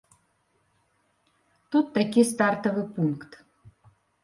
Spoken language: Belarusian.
Тут такі стартавы пункт.